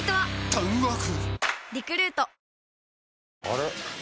あれ？